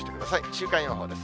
週間予報です。